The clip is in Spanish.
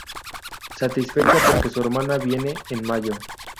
Satisfecha porque su hermana viene en mayo.